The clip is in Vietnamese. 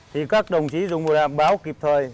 thì các đồng chí dùng bộ đàm báo kịp thời